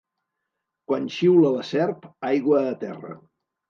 Quan xiula la serp, aigua a terra.